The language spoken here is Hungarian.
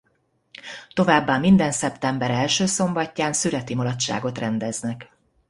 Továbbá minden szeptember első szombatján szüreti mulatságot rendeznek.